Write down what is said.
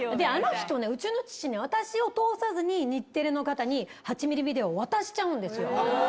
あの人ね、うちの父ね、私を通さずに、日テレの方に、８ミリビデオ渡しちゃうんですよ。